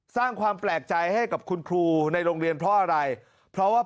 สร้างความแปลกใจให้กับคุณครูในโรงเรียนเพราะอะไรเพราะว่า